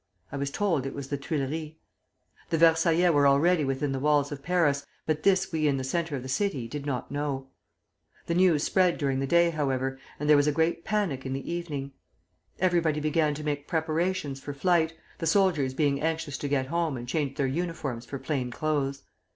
I was told it was the Tuileries. The Versaillais were already within the walls of Paris, but this we in the centre of the city did not know. The news spread during the day, however, and there was a great panic in the evening. Everybody began to make preparations for flight, the soldiers being anxious to get home and change their uniforms for plain clothes.